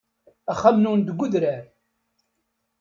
Axxam-nnun deg udrar.